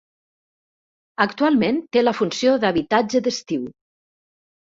Actualment té la funció d'habitatge d'estiu.